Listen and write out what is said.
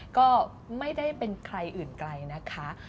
ก็ไม่ได้เป็นใครอื่นไกลนะคะ